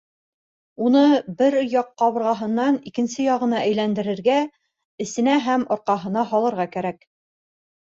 Уны бер яҡ ҡабырғаһынан икенсе яғына әйләндерергә, эсенә һәм арҡаһына һалырға кәрәк.